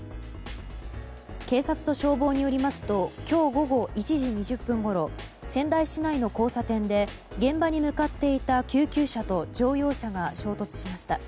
警察と消防によりますと今日午後１時２０分ごろ仙台市内の交差点で現場に向かっていた救急車と乗用車が衝突しました。